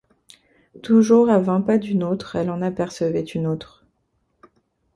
Toujours, à vingt pas d'une autre, elle en apercevait une autre.